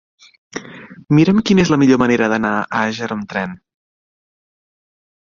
Mira'm quina és la millor manera d'anar a Àger amb tren.